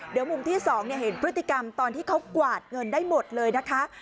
เดี๋ยวมุมที่๒เห็นพฤติกรรมตอนที่เขากวาดเงินได้หมดเลยนะคะ